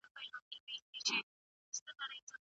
د دولت د اخلاق زرینه کورنۍ اړینه ده.